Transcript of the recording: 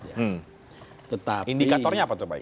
indikatornya apa pak hika